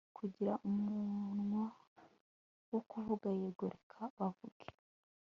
kugira umunwa wo kuvuga. yego, reka bavuge